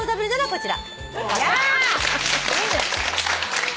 こちら。